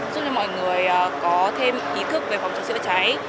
giúp cho mọi người có thêm ý thức về phòng cháy chữa cháy